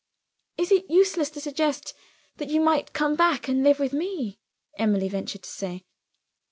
"Is it useless to suggest that you might come back, and live with me?" Emily ventured to say.